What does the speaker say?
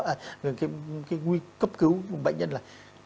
cái cấp cứu của bệnh nhân là